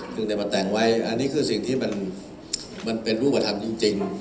ซึ่งได้มาแต่งไว้อันนี้คือสิ่งที่มันเป็นรูปธรรมจริง